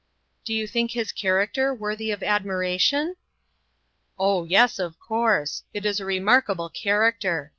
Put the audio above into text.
" Do you think his character worthy of admiration ?"" Oh, yes, of course ; it is a remarkable character.